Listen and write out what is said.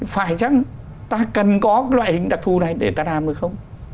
phải chăng ta cần có cái loại hình đặc thù này để ta làm hay không